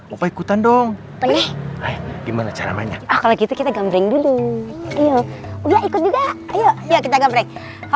matanya ikutan dong gimana caranya kalau gitu kita gambring dulu yuk yuk yuk kita gambring